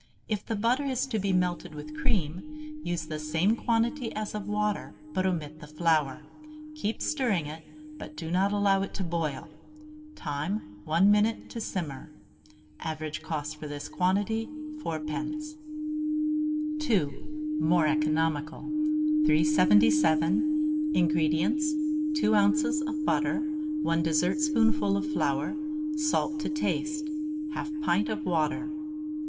If the butter is to be melted with cream, use the same quantity as of water, but omit the flour; keep stirring it, but do not allow it to boil. Time. 1 minute to simmer. Average cost for this quantity, 4d. II. (More Economical.) 377. INGREDIENTS. 2 oz. of butter, 1 dessertspoonful of flour, salt to taste, 1/2 pint of water.